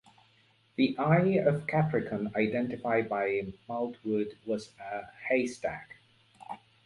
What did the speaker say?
The eye of Capricorn identified by Maltwood was a haystack.